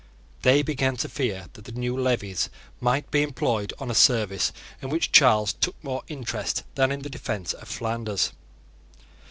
They began to fear that the new levies might be employed on a service in which Charles took much more interest than in the defence of Flanders.